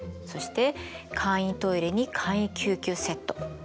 そして簡易トイレに簡易救急セット。